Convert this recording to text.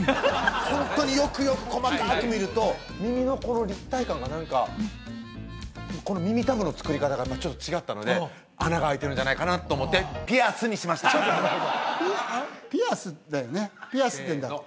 ホントによくよく細かく見ると耳のこの立体感が何かこの耳たぶの作り方がちょっと違ったので穴があいてるんじゃないかなと思って「ピアス」にしましたせの皆さん